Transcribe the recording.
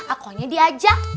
aku hanya diajak